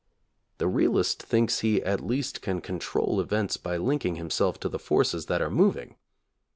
The realist thinks he at least can control events by linking himself to the forces that are moving.